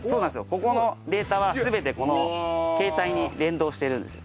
ここのデータは全てこの携帯に連動してるんです。